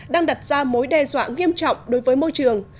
đang đặt ra mối đe dọa nghiêm trọng đối với môi trường